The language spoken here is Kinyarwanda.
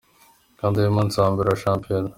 Gahunda y’umunsi wa mbere wa shampiyona.